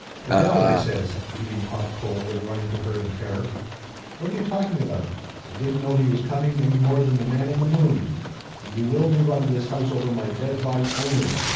"Adele!" I says, leaving pop cold, and running to her in terror. "What are you talking about ? I didn't know he was coming any more than the man in the moon ! And you will move out of this house over my dead body only!